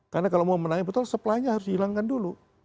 karena kalau mau menangin betul supply nya harus dihilangkan dulu